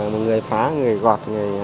là người phá người gọt